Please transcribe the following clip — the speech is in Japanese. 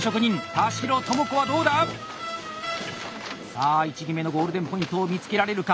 さあ位置決めのゴールデンポイントを見つけられるか？